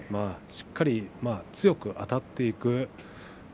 しっかりと強くあたっていく。